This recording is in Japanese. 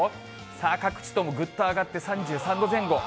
各地ともぐっと上がって３３度前後。